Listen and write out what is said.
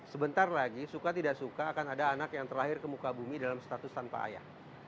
sebentar lagi suka tidak suka akan ada anak yang terlahir ke muka bumi dalam status tanpa ayah